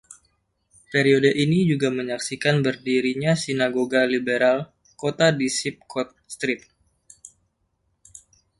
Periode ini juga menyaksikan berdirinya sinagoga Liberal kota di Sheepcote Street.